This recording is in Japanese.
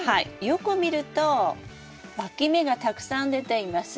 よく見るとわき芽がたくさん出ています。